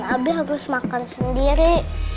abi harus makan sendiri